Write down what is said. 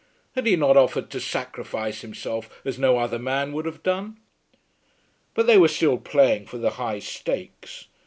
Had he not offered to sacrifice himself as no other man would have done? But they were still playing for the high stakes.